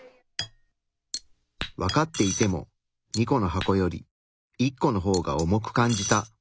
分かっていても２個の箱より１個の方が重く感じた。